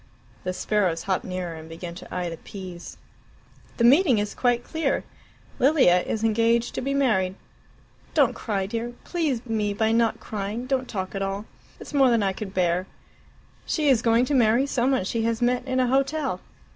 The sparrows hopped nearer and began to eye the peas. "The meaning is quite clear Lilia is engaged to be married. Don't cry, dear; please me by not crying don't talk at all. It's more than I could bear. She is going to marry some one she has met in a hotel.